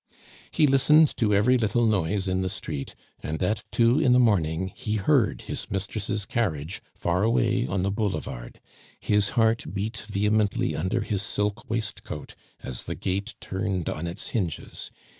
He listened to every little noise in the street, and at two in the morning he heard his mistress' carriage far away on the boulevard. His heart beat vehemently under his silk waistcoat as the gate turned on its hinges.